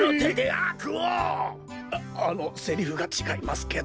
ああのセリフがちがいますけど。